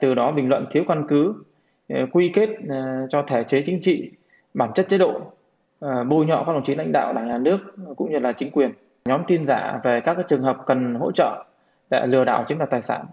từ đó bình luận thiếu quan cứ quy kết cho thể chế chính trị bản chất chế độ bôi nhọ pháp luật chính lãnh đạo đảng nhà nước cũng như chính quyền nhóm tin giả về các trường hợp cần hỗ trợ lừa đảo chính đạo tài sản